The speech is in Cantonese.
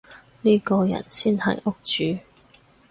呢個人先係屋主